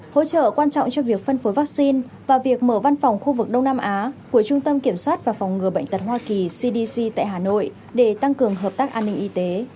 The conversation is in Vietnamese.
hỗ trợ quan trọng cho việc phân phối vaccine và việc mở văn phòng khu vực đông nam á của trung tâm kiểm soát và phòng ngừa bệnh tật hoa kỳ cdc tại hà nội để tăng cường hợp tác an ninh y tế